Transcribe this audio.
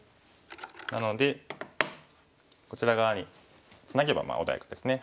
なのでこちら側にツナげば穏やかですね。